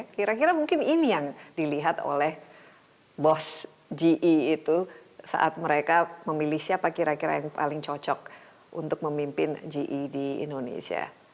kira kira mungkin ini yang dilihat oleh bos ge itu saat mereka memilih siapa kira kira yang paling cocok untuk memimpin ge di indonesia